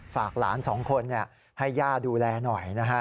ฝากหลานสองคนให้ย่าดูแลหน่อยนะฮะ